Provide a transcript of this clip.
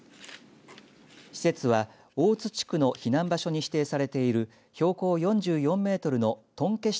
施設は大津地区の避難場所に指定されている標高４４メートルのトンケシ